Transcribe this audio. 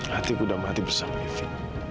hatiku udah mati bersama livi